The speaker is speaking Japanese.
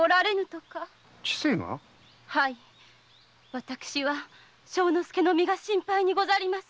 私は正之助の身が心配にござります。